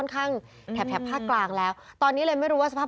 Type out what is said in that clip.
ข้างแถบแถบภาคกลางแล้วตอนนี้เลยไม่รู้ว่าสภาพ